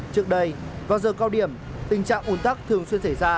trước đây vào giờ cao điểm tình trạng ủn tắc thường xuyên xảy ra